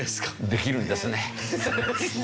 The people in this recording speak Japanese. できるんですね。